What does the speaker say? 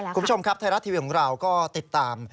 คุณผู้ชมครับไทยรัฐทีวีของเราก็ติดตาม